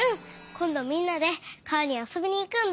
こんどみんなで川にあそびにいくんだ！